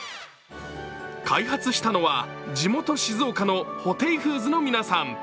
開発したのは地元・静岡のホテイフーズの皆さん。